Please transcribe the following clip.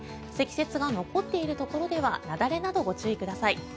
積雪が残っているところでは雪崩などご注意ください。